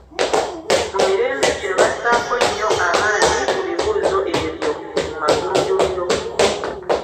Mu mirembe gino bassaako nnyo amaanyi ku bibuuzo ebyo mu magunjuliro.